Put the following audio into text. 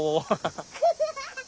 ハハハハ！